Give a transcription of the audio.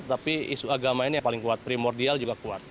tapi isu agama ini yang paling kuat primordial juga kuat